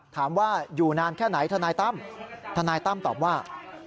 ถามว่าอยู่นานแค่ไหนทนายตั้มทนายตั้มตอบว่า